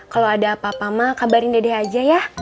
kalo ada apa apa mak kabarin dede aja ya